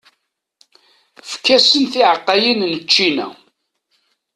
Efk-asen tiɛeqqayin n ččina.